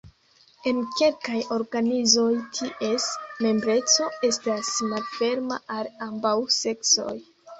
En kelkaj organizoj, ties membreco estas malferma al ambaŭ seksoj.